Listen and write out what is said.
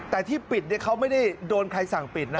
แต่ที่ปิดเขาไม่ได้โดนใครสั่งปิดนะ